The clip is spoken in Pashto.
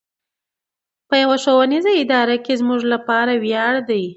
په يوه ښوونيزه اداره کې زموږ لپاره وياړ دی.